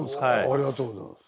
ありがとうございます。